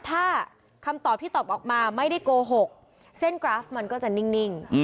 ถ้าคำตอบที่ตอบออกมาไม่ได้โกหกเส้นกราฟมันก็จะนิ่ง